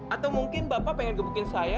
atau mungkin bapak pengen gemukin saya